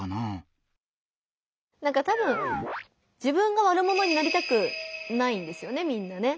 たぶん自分が悪者になりたくないんですよねみんなね。